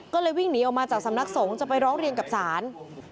ก็เลยวิ่งหนีออกมาจากสำนักสงฆ์จะไปร้องเรียนกับศาล